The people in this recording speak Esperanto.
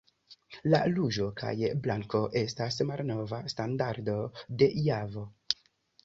La ruĝo kaj blanko estas malnova standardo de Javo.